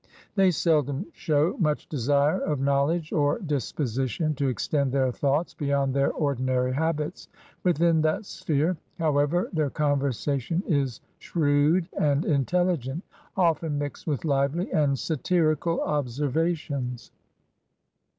They seldom show much desire of knowledge or dispo sition to extend their thoughts beyond their ordinary habits. Within that sphere, however, their conversation is shrewd and intelligent, often mixed with Uvely and satirical observations.